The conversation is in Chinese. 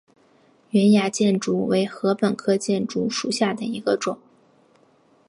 圆芽箭竹为禾本科箭竹属下的一个种。